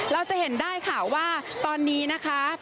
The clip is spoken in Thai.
เราจะเห็นได้ค่ะว่าตอนนี้นะคะ